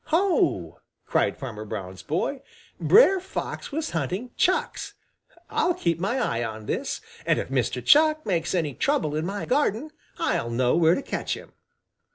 "Ho!" cried Farmer Brown's boy. "Brer Fox was hunting Chucks. I'll keep my eye on this, and if Mr. Chuck makes any trouble in my garden, I'll know where to catch him."